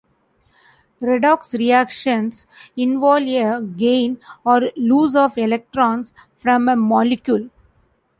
Redox reactions involve a gain or loss of electrons from a molecule.